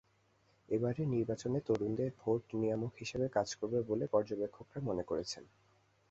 এবারের নির্বাচনে তরুণদের ভোট নিয়ামক হিসেবে কাজ করবে বলে পর্যবেক্ষকেরা মনে করছেন।